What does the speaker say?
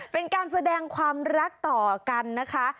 เป็นการแสดงความรักต่อกันนะคะ